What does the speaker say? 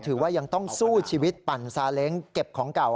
ถือว่ายังต้องสู้ชีวิตปั่นซาเล้งเก็บของเก่า